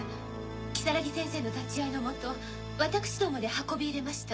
如月先生の立ち会いのもと私どもで運び入れました。